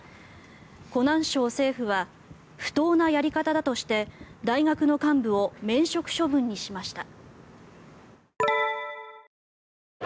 湖南省政府は不当なやり方だとして大学の幹部を免職処分にしました。